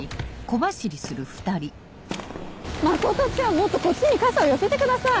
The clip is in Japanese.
もっとこっちに傘を寄せてください。